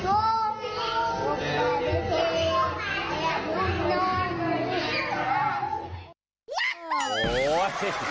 เจ๊เป็นอย่างไรเป็นอย่างไรน่ารักเลยคะ